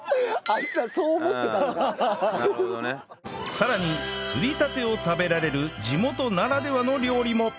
更に釣りたてを食べられる地元ならではの料理も